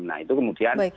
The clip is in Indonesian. nah itu kemudian